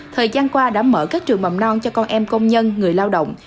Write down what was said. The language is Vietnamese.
thời gian qua đã mở các trường mầm non cho con em công nhân người lao động